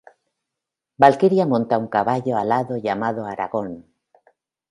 Valquiria monta un caballo alado llamado Aragorn.